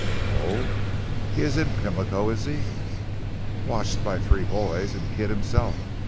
"Oh, he is in Pimlico is he?" "Watched by three boys, and Kidd himself.